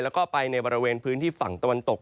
แล้วก็ไปในบริเวณพื้นที่ฝั่งตะวันตก